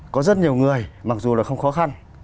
có rất nhiều người mặc dù là không khó khăn